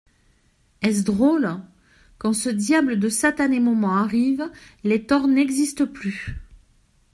Est-ce drôle !… quand ce diable de satané moment arrive, les torts n'existent plus.